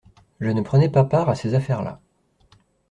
Je ne prenais pas part à ces affaires-là.